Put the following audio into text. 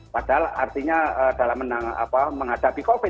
padahal artinya dalam menghadapi covid